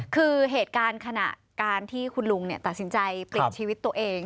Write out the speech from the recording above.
คือเหตุการณ์ขณะการที่คุณลุงตัดสินใจปิดชีวิตตัวเอง